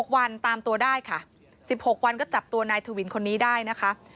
๖วันตามตัวได้ค่ะ๑๖วันก็จับตัวนายทวินคนนี้ได้นะคะ